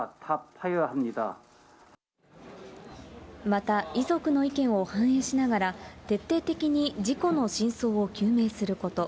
また遺族の意見を反映しながら、徹底的に事故の真相を究明すること。